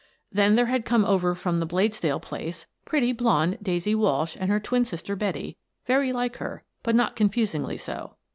Then there had come over from the Bladesdell place pretty, blonde Daisy Walsh and her twin sister Betty, very like her, but not confusingly so.